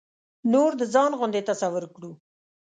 نور د ځان غوندې تصور کړو.